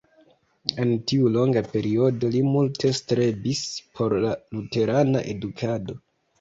En tiu longa periodo li multe strebis por la luterana edukado.